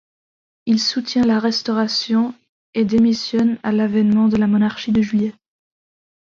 Il soutient la Restauration et démissionne à l'avènement de la Monarchie de Juillet.